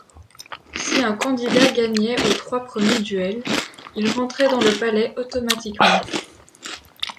Si un candidat gagnait aux trois premiers duels, il rentrait dans le palais automatiquement.